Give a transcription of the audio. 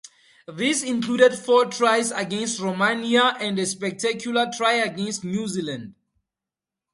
This included four tries against Romania and a spectacular try against New Zealand.